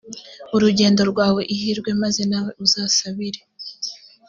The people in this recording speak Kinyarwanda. urugendo rwawe ihirwe maze nawe uzasabire